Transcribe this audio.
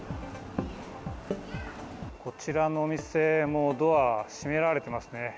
こちらのお店もドア、閉められていますね。